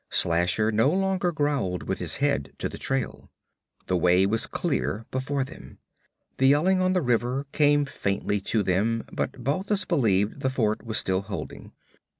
Slasher no longer growled with his head to the trail. The way was clear before them. The yelling on the river came faintly to them, but Balthus believed the fort was still holding.